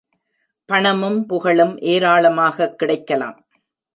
பணமும் புகழும் ஏராளமாகக் கிடைக்கலாம்.